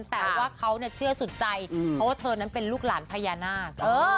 แต่เขาเชื่อสุดใจเค้านั้นเป็นลูกหลานพญานาค